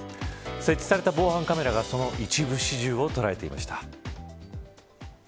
設置された防犯カメラがその一部始終を捉えていました。